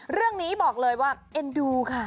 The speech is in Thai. เรื่องนี้บอกเลยว่าเอ็นดูค่ะ